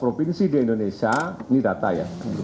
provinsi di indonesia ini data ya